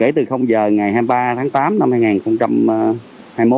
kể từ giờ ngày hai mươi ba tháng tám năm hai nghìn hai mươi một